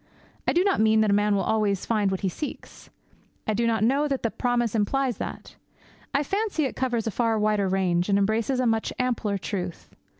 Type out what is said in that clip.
I do not mean that a man will always find what he seeks. I do not know that the promise implies that. I fancy it covers a far wider range, and embraces a much ampler truth.